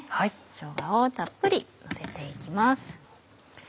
しょうがをたっぷりのせて行きます。